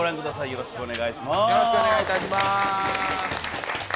よろしくお願いします。